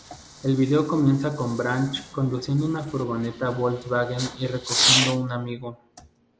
El vídeo comienza con Branch conduciendo una furgoneta Volkswagen y recogiendo un amigo.